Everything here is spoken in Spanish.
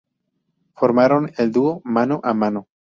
Formaron el dúo Mano a Mano.